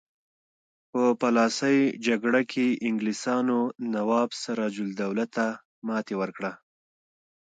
په پلاسۍ جګړه کې انګلیسانو نواب سراج الدوله ته ماتې ورکړه.